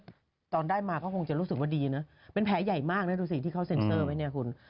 คือตอนได้มาก็คงจะรู้สึกว่าดีนะเป็นแผลใหญ่มากนะดูสิที่เขาเซ็นเซอร์ไว้เนี่ยคุณ